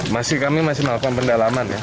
masih kami masih melakukan pendalaman ya